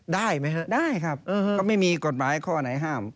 ได้ไหมฮะได้ครับก็ไม่มีกฎหมายข้อไหนห้าม